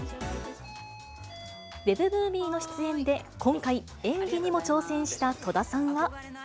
ウェブムービーの出演で、今回、演技にも挑戦した戸田さんは。